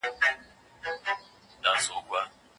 انسان که ټولنې ته توجه ونکړي، ستونزې رامنځته کیږي.